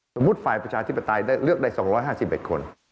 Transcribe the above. สมมุติฝ่ายประชาชนิตปฏิเลือกได้๒๕๑คน